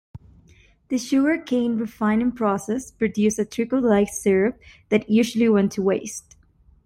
The sugar cane refining process produced a treacle-like syrup that usually went to waste.